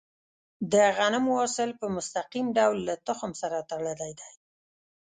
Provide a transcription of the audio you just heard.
د غنمو حاصل په مستقیم ډول له تخم سره تړلی دی.